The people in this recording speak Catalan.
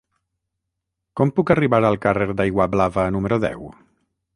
Com puc arribar al carrer d'Aiguablava número deu?